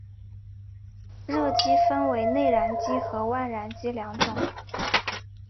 热机分为内燃机和外燃机两种。